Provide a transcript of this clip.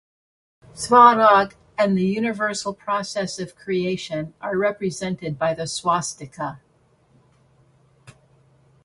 Svarog and the universal process of creation are represented by the "swastika".